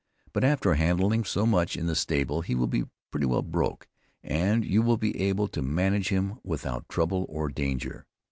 But after handling him so much in the stable he will be pretty well broke, and you will be able to manage him without trouble or danger.